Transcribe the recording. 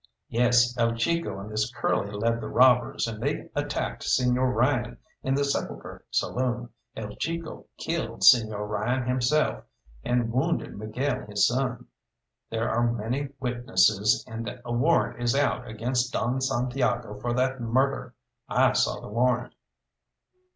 "Yes, El Chico and this Curly led the robbers, and they attacked Señor Ryan in the 'Sepulchre' saloon. El Chico killed Señor Ryan himself, and wounded Miguel his son. There are many witnesses, and a warrant is out against Don Santiago for that murder. I saw the warrant."